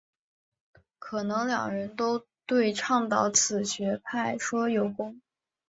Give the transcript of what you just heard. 可能两人都对倡导此派学说有功。